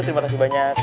terima kasih banyak